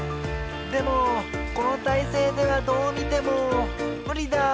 でもこのたいせいではどうみてもむりだ。